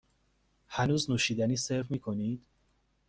هنوز نوشیدنی سرو می کنید؟